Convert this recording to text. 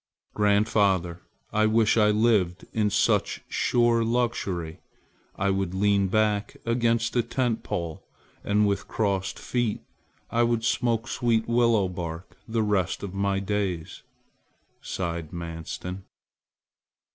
"Grandfather, I wish I lived in such sure luxury! I would lean back against a tent pole, and with crossed feet I would smoke sweet willow bark the rest of my days," sighed Manstin.